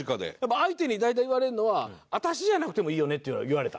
相手に大体言われるのは私じゃなくてもいいよねっていうのは言われた。